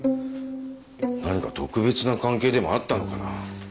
何か特別な関係でもあったのかな？